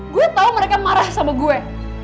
gue tau mereka marah sama gue